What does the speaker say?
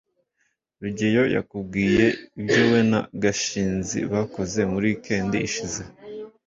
rugeyo yakubwiye ibyo we na gashinzi bakoze muri weekend ishize